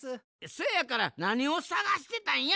そやからなにをさがしてたんや？